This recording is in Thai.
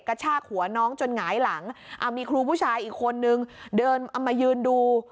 กระชากหัวน้องจนหงายหลังมีครูผู้ชายอีกคนนึงเดินเอามายืนดู